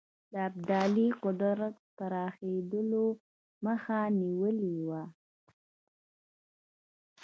د ابدالي د قدرت پراخېدلو مخه نیولې وه.